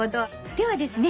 ではですね